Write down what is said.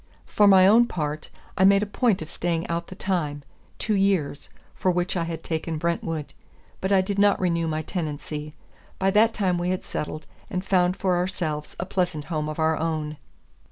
For my own part, I made a point of staying out the time two years for which I had taken Brentwood; but I did not renew my tenancy. By that time we had settled, and found for ourselves a pleasant home of our own.